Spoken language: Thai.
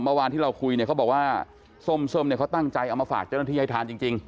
เมื่อวานที่เราคุยเนี่ยเขาบอกว่าส้มเนี่ยเขาตั้งใจเอามาฝากเจ้าหน้าที่ให้ทานจริง